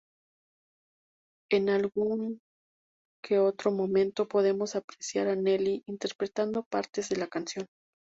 En algún que otro momento podemos apreciar a Nelly interpretando partes de la canción.